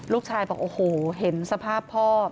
ลูกชายบอกโอ้โหเห็นสภาพพ่อ